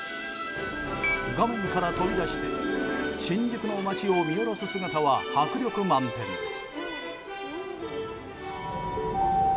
画面から飛び出して新宿の街を見下ろす姿は迫力満点です。